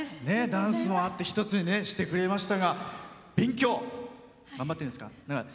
ダンスもあって一つにしてくれましたが勉強、頑張ってるんですか？